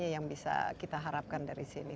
yang bisa kita harapkan dari sini